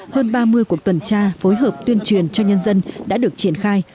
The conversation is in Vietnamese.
hơn ba mươi cuộc tuần tra phối hợp tuyên truyền cho nhân dân đã được triển khai